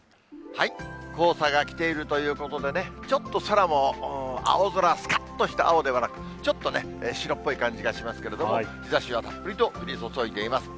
黄砂が来ているということでね、ちょっと空も青空、すかっとした青ではなく、ちょっとね、白っぽい感じがしますけれども、日ざしはたっぷりと降り注いでいます。